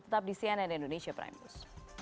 tetap di cnn indonesia prime news